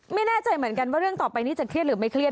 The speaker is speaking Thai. ไม่แน่ใจเหมือนกันว่าเรื่องต่อไปนี้จะเครียดหรือไม่เครียด